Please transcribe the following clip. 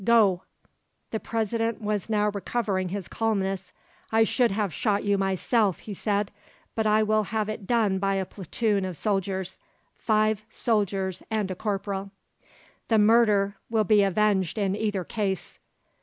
Go!" The President was now recovering his calmness. "I should have shot you myself," he said, "but I will have it done by a platoon of soldiers, five soldiers and a corporal." "The murder will be avenged in either case."